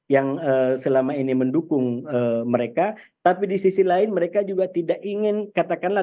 yang selama ini mendukung mereka tapi di sisi lain mereka juga tidak ingin katakanlah